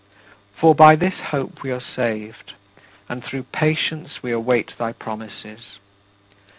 " For by this hope we are saved, and through patience we await thy promises.